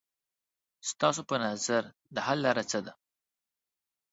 ستاسو په نظر د حل لاره څه ده؟